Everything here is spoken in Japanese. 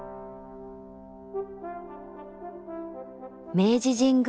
明治神宮